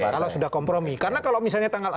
kalau sudah kompromi karena kalau misalnya tanggal